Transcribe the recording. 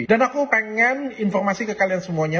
dan aku pengen informasi ke kalian semuanya